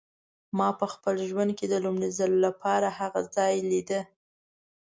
ما په خپل ژوند کې د لومړي ځل لپاره هغه ځای لیده.